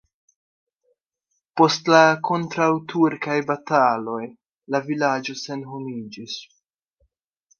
Post la kontraŭturkaj bataloj la vilaĝo senhomiĝis.